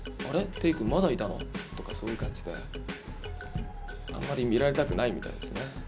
テイ君まだいたの？」とかそういう感じであんまり見られたくないみたいですね。